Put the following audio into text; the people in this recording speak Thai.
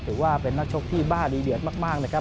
ถือว่าเป็นนักชกที่บ้าดีเดือดมากนะครับ